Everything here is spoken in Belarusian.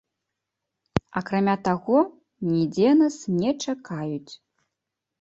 Акрамя таго, нідзе нас не чакаюць.